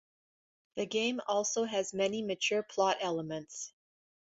The game also has many mature plot elements.